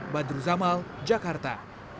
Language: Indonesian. badru zamal jakarta